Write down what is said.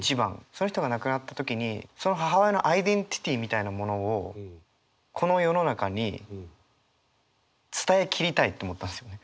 その人が亡くなった時にその母親のアイデンティティーみたいなものをこの世の中に伝えきりたいと思ったんですよね。